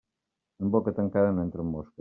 En boca tancada no entren mosques.